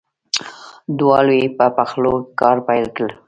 دواړو یې په پخولو کار پیل کړ.